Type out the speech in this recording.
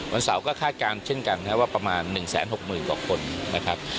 เสาร์ก็คาดการณ์เช่นกันนะครับว่าประมาณ๑๖๐๐๐กว่าคนนะครับ